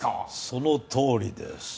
そのとおりです。